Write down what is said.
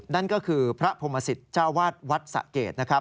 นั่นก็คือพระพรมศิษย์เจ้าวาดวัดสะเกดนะครับ